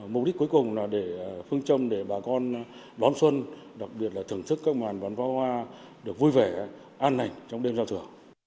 mục đích cuối cùng là để phương châm để bà con đón xuân đặc biệt là thưởng thức các màn bắn phá hoa được vui vẻ an hành trong đêm giao thừa